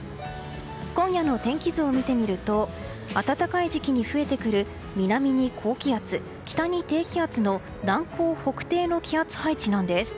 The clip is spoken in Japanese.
今夜の天気図を見てみると暖かい時期に増えてくる南に高気圧、北に低気圧の南高北低の気圧配置なんです。